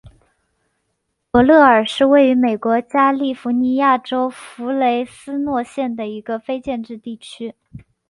伯勒尔是位于美国加利福尼亚州弗雷斯诺县的一个非建制地区。